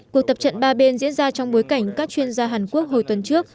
cuộc tập trận ba bên diễn ra trong bối cảnh các chuyên gia hàn quốc hồi tuần trước